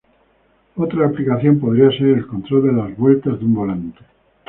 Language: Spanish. Otra aplicación podría ser el control de las vueltas de un volante.